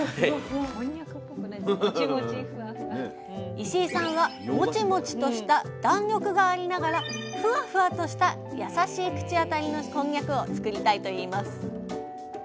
石井さんはモチモチとした弾力がありながらふわふわとしたやさしい口当たりのこんにゃくを作りたいといいます。